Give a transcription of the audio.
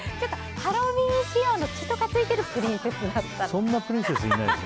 ハロウィーン仕様の血とかついているそんなプリンセス以内です。